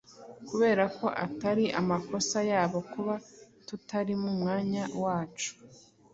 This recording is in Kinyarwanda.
kubera ko atari amakosa yabo kuba tutari mu mwanya wacu.